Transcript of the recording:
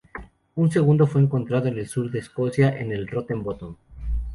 Un segundo fue encontrado en el sur de Escocia, en el Rotten Bottom.